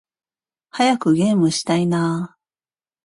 早くゲームしたいな〜〜〜